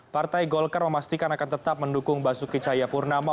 partai golkar memastikan akan tetap mendukung basuki cahaya purnama